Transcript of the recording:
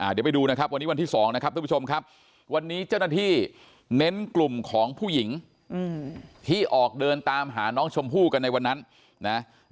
เดี๋ยวไปดูนะครับวันนี้วันที่๒นะครับทุกผู้ชมครับวันนี้เจ้าหน้าที่เน้นกลุ่มของผู้หญิงที่ออกเดินตามหาน้องชมพู่กันในวันนั้นนะ